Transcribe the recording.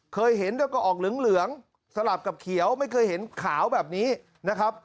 เคยเห็นแล้วก็ออกเหลืองสลับกับเขียวไม่เคยเห็นขาวแบบนี้นะครับ